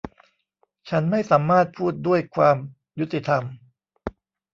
ฉันไม่สามารถพูดด้วยความยุติธรรม